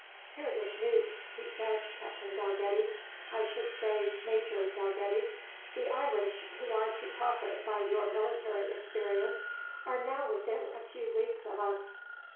"Hear this news," he said, "Captain Dalgetty I should say Major Dalgetty, the Irish, who are to profit by your military experience, are now within a few leagues of us."